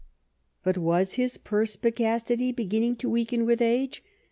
But was his perspicacity beginning to weaken with age